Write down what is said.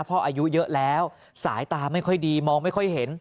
อายุเยอะแล้วสายตาไม่ค่อยดีมองไม่ค่อยเห็น